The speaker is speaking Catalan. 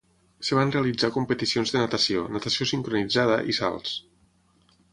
Es van realitzar competicions de natació, natació sincronitzada i salts.